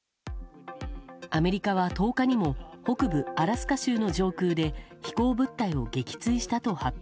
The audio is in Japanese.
アメリカは１０日にも北部アラスカ州の上空で飛行物体を撃墜したと発表。